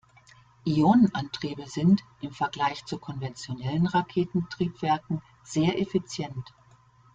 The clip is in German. Ionenantriebe sind im Vergleich zu konventionellen Raketentriebwerken sehr effizient.